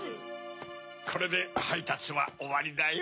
これではいたつはおわりだよ。